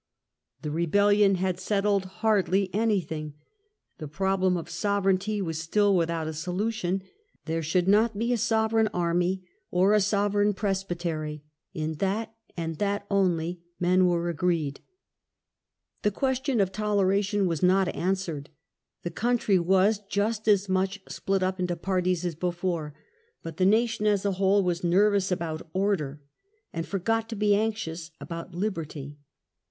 The Rebellion had settled hardly anything. The pro blem of Sovereignty was still without a solution. There 70 THE NEW KING'S PROSPECTS. should not be a sovereign army or a sovereign presbytery; in that, and that only, men were agreed. The question Result of the of Toleration was not answered. The coun Rebeiiion. try was just as much split up into parties as before, but the nation as a whole was nervous about order, and forgot to be anxious about liberty.